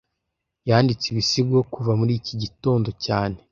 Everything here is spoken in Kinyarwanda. Yanditse ibisigo kuva muri iki gitondo cyane